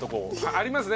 ありますね。